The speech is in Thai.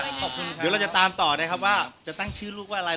ขอบคุณครับเดี๋ยวเราจะตามต่อนะครับว่าจะตั้งชื่อลูกว่าอะไร